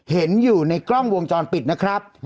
เห็นอยู่ในกล้องวงจรปิดนะครับ